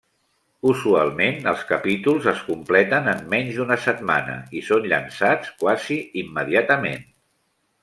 Usualment, els capítols es completen en menys d'una setmana, i són llançats quasi immediatament.